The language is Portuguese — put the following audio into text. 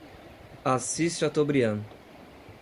Assis Chateaubriand